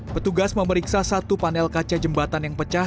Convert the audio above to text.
petugas memeriksa satu panel kaca jembatan yang pecah